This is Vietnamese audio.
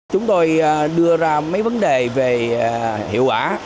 chúng tôi đưa ra mấy vấn đề về hiệu quả